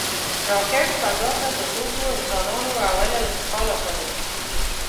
راکټ فضا ته د توکو، انسانانو او علم انتقال آسانوي